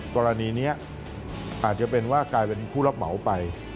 กรณีนี้อาจจะเป็นว่ากลายเป็นผู้รับเหมาไป